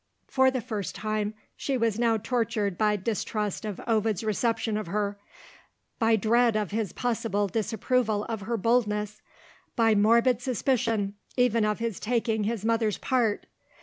For the first time, she was now tortured by distrust of Ovid's reception of her; by dread of his possible disapproval of her boldness; by morbid suspicion even of his taking his mother's part.